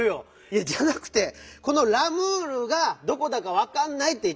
いやじゃなくてこの「ラムール」がどこだかわかんないっていってんの！